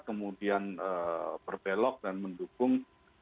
kemudian berbelok dan mendukung